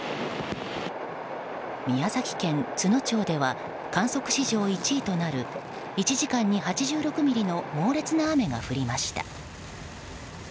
宮崎県都農町では観測史上１位となる１時間に８６ミリの猛烈な雨が降りました。